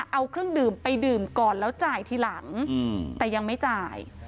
เอาเครื่องดื่มไปดื่มก่อนแล้วจ่ายทีหลังแต่ยังไม่จ่าย